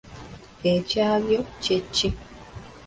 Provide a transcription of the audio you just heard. Ekyabyo kye ki?